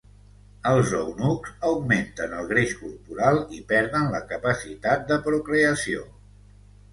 Els eunucs augmenten el greix corporal i perden la capacitat de procreació.